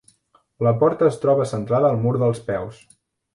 La porta es troba centrada al mur dels peus.